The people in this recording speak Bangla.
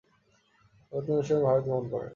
পরবর্তী মৌসুমে ভারত গমন করেন।